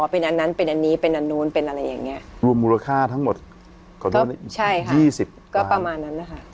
เป็นอะไรอย่างเงี้ยรวมมูลค่าทั้งหมดก็ใช่ค่ะ๒๐ก็ประมาณนั้นนะคะ